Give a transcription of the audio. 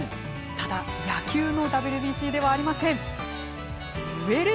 ただ、野球のＷＢＣではありません。